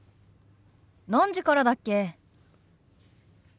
何時からだっけ？